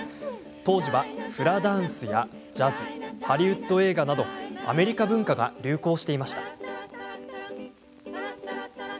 当時は、フラダンスやジャズハリウッド映画などアメリカ文化が流行していました。